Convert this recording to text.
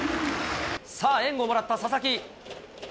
さあ、援護をもらった佐々木。